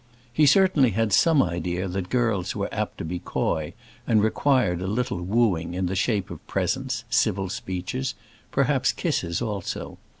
He certainly had some idea that girls were apt to be coy, and required a little wooing in the shape of presents, civil speeches perhaps kisses also.